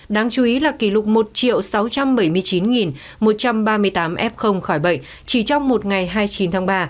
đáng chú ý là kỷ lục một sáu trăm bảy mươi chín một trăm ba mươi tám f khỏi bệnh chỉ trong một ngày hai mươi chín tháng ba